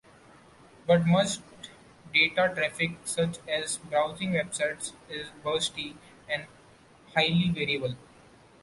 But much data traffic, such as browsing web sites, is bursty and highly variable.